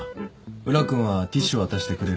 宇良君はティッシュ渡してくれれば。